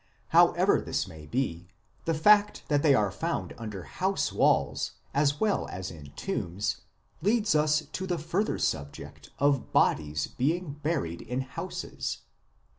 However this may be, the fact that they are found under house walls as well as in tombs leads us to the further subject of bodies being buried in houses.